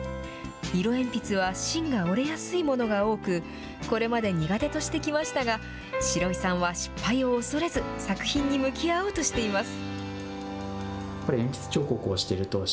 色鉛筆は芯が折れやすいものが多くこれまで苦手としてきましたがシロイさんは失敗をおそれず作品に向き合おうとしています。